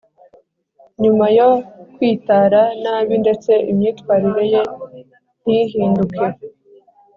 nyuma yo kwitara nabi ndetse imyitwarire ye ntihinduke